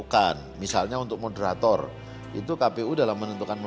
kan sebetulnya musyawarah mufakat ini bisa juga diterapkan untuk yang lain